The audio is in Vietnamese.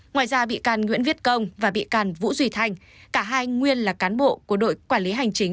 ngoài ra bị can nguyễn viết công và bị can vũ duy thanh cả hai nguyên là cán bộ của đội quản lý hành chính